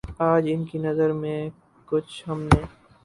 آج ان کی نظر میں کچھ ہم نے